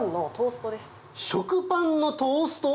食パンのトースト？